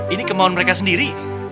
ini kemauan mereka sendiri